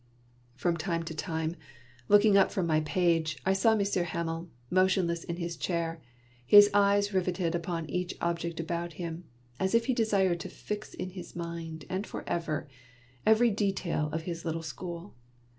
From time to time, looking up from my page, I saw Monsieur Hamel, motionless in his chair, his eyes riveted upon each object about him, as if he desired to fix in his mind, and forever, every detail of his little school.